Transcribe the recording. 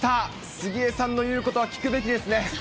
杉江さんの言うことは聞くべきですね。